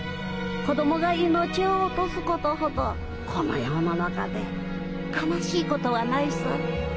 子供が命を落とすことほどこの世の中で悲しいことはないさ。